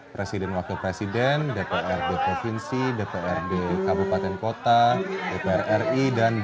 presiden wakil presiden dprd provinsi dprd kabupaten kota dpr ri dan dpr